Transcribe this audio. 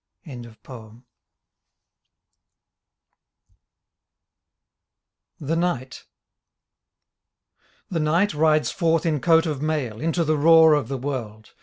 12 THE KNIGHT The Knight rides forth in coat of mail Into the roar of the world.